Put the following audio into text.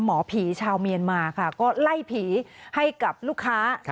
หมอผีชาวเมียนมาค่ะก็ไล่ผีให้กับลูกค้า